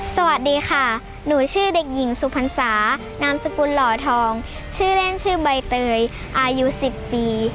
สวัสดีค่ะหนูชื่อเด็กหญิงสุพรรษานามสกุลหล่อทองชื่อเล่นชื่อใบเตยอายุ๑๐ปี